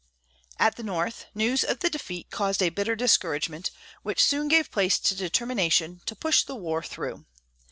At the North news of the defeat caused a bitter discouragement, which soon gave place to determination to push the war through.